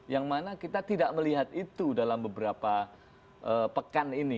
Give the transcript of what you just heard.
yang mana kita tidak melihat itu dalam beberapa pekan ini